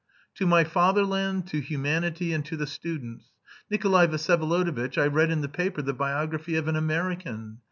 "To my fatherland, to humanity, and to the students. Nikolay Vsyevolodovitch, I read in the paper the biography of an American.